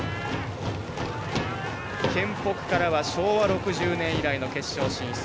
県北からは昭和６０年以来の決勝進出。